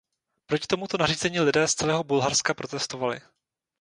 Proti tomuto nařízení lidé z celého Bulharska protestovali.